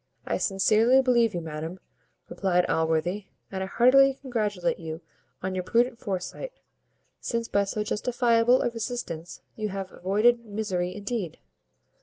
"I sincerely believe you, madam," replied Allworthy, "and I heartily congratulate you on your prudent foresight, since by so justifiable a resistance you have avoided misery indeed!"